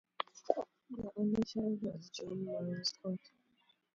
Their only child was John Morin Scott.